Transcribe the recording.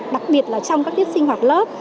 đặc biệt là trong các tiết sinh hoạt lớp